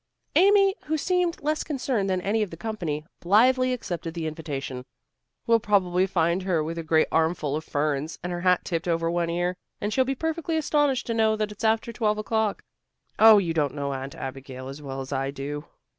Amy, who seemed less concerned than any of the company, blithely accepted the invitation. "We'll probably find her with a great armful of ferns and her hat tipped over one ear, and she'll be perfectly astonished to know that it's after twelve o'clock. Oh, you don't know Aunt Abigail as well as I do."